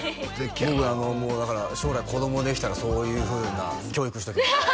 僕もだから将来子供できたらそういうふうな教育しときます